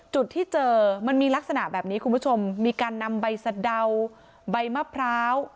จุดที่เจอมันมีลักษณะแบบนี้คุณผู้ชมมีการนำใบสะเดาใบมะพร้าว